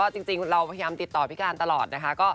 จริงเราพยายามติดต่อพี่การตลอดนะคะ